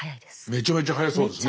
めちゃめちゃ速そうですね。